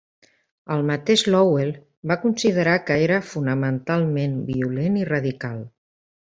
El mateix Lowell va considerar que era fonamentalment violent i radical.